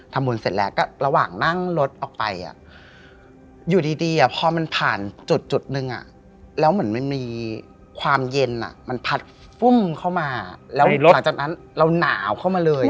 มนต์เสร็จแล้วก็ระหว่างนั่งรถออกไปอยู่ดีพอมันผ่านจุดนึงแล้วเหมือนมันมีความเย็นมันพัดฟุ่มเข้ามาแล้วหลังจากนั้นเราหนาวเข้ามาเลย